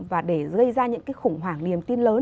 và để gây ra những cái khủng hoảng niềm tin lớn